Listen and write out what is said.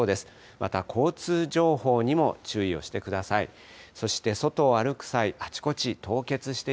また交通情報にも注意をしてください。